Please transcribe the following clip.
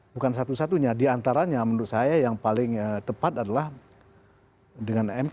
bukan satu satunya diantaranya menurut saya yang paling tepat adalah dengan mk